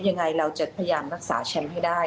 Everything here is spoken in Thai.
ยังไงเราจะพยายามรักษาแชมป์ให้ได้